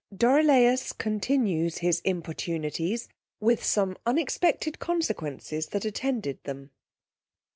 Dorilaus continues his importunities, with some unexpected consequences that attended them.